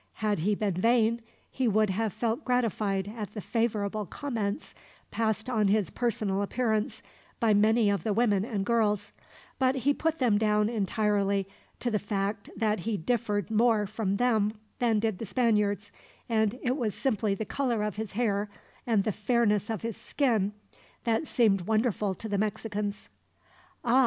Had he been vain, he would have felt gratified at the favorable comments passed on his personal appearance by many of the women and girls; but he put them down, entirely, to the fact that he differed more from them than did the Spaniards, and it was simply the color of his hair, and the fairness of his skin, that seemed wonderful to the Mexicans. "Ah!"